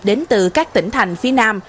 đến từ các tỉnh thành phía nam